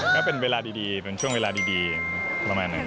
ก็เป็นเวลาดีเป็นช่วงเวลาดีประมาณนั้น